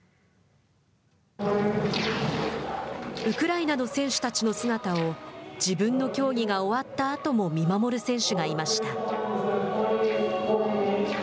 ウクライナの選手たちの姿を自分の競技が終わったあとも見守る選手がいました。